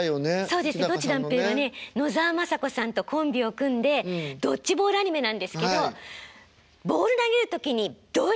そうですドッジ弾平はね野沢雅子さんとコンビを組んでドッジボールアニメなんですけどボール投げる時に「ドリャ！」って投げるんですよ。